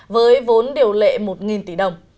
với vốn điều lệ một tỷ đồng